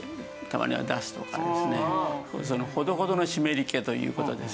ほどほどの湿り気という事です。